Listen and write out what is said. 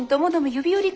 指折り